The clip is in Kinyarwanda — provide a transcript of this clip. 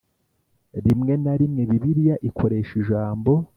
Rimwe na rimwe, Bibiliya ikoresha ijambo